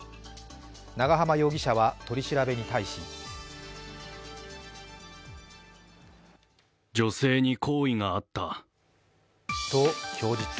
長浜容疑者は取り調べに対しと供述。